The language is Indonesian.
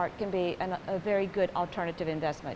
art bisa menjadi investasi alternatif yang bagus